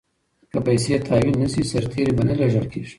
که پیسې تحویل نه شي سرتیري به نه لیږل کیږي.